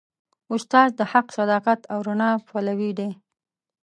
استاد د حق، صداقت او رڼا پلوي دی.